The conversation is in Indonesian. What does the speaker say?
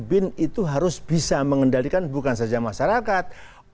bin itu harus bisa mengendalikan bukan saja masyarakat